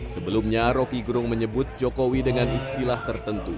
sebelumnya rocky gerung menyebut jokowi dengan istilah tertentu